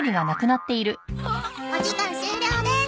お時間終了です。